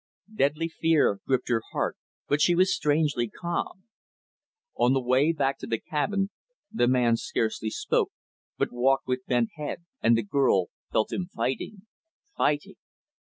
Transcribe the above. Deadly fear gripped her heart; but she was strangely calm. On the way back to the cabin, the man scarcely spoke, but walked with bent head; and the girl felt him fighting, fighting.